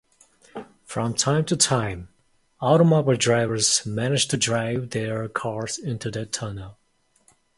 From time to time, automobile drivers manage to drive their cars into the tunnel.